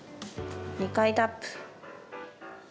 ２回タップ。